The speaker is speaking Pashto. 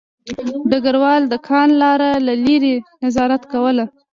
ډګروال د کان لاره له لیرې نظارت کوله